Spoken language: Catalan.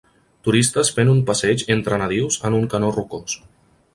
Turistes fent un passeig entre nadius en un canó rocós.